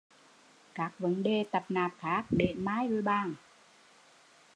Các vấn đề tạp nạp khác để mai rồi bàn